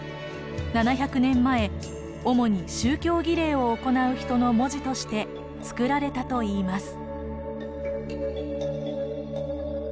７００年前主に宗教儀礼を行う人の文字としてつくられたといいます。